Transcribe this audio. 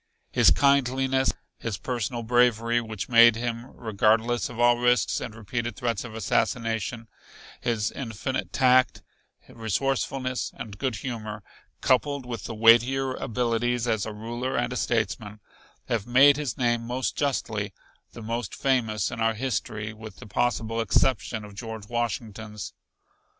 His kindliness, his personal bravery which made him regardless of all risks and repeated threats of assassination, his infinite tact, resourcefulness and good humor, coupled with the weightier abilities as a ruler and a statesman, have made his name most justly the most famous in our history with the possible exception of George Washington's.